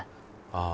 ああ